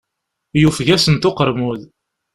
Yufeg-asent uqermud.